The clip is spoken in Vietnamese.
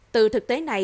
từ thực tế này